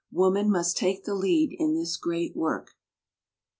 Woman must take the lead in this great work."